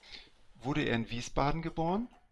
Wurde er in Wiesbaden geboren?